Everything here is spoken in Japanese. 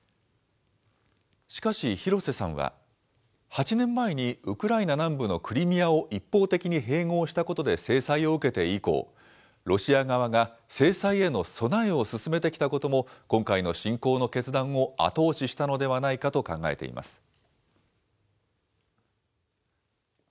しかし、廣瀬さんは、８年前にウクライナ南部のクリミアを一方的に併合したことで制裁を受けて以降、ロシア側が制裁への備えを進めてきたことも今回の侵攻の決断を後押ししたのではないかと考えています。